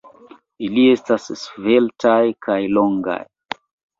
Ili estas sveltaj kaj longaj.